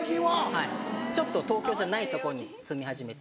はいちょっと東京じゃないとこに住み始めて。